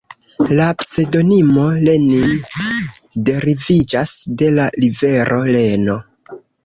La pseŭdonimo Lenin deriviĝas de la rivero Leno.